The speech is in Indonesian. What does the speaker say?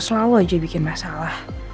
selalu aja bikin masalah